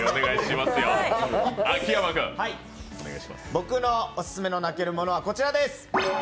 僕のオススメの泣けるものはこちらです。